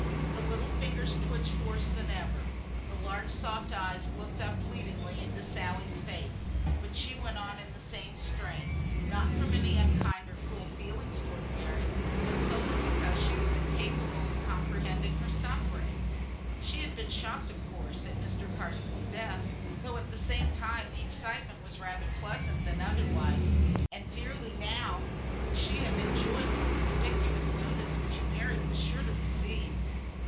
The little fingers twitched worse than ever; the large soft eyes looked up pleadingly into Sally's face; but she went on in the same strain, not from any unkind or cruel feeling towards Mary, but solely because she was incapable of comprehending her suffering. She had been shocked, of course, at Mr. Carson's death, though at the same time the excitement was rather pleasant than otherwise; and dearly now would she have enjoyed the conspicuous notice which Mary was sure to receive.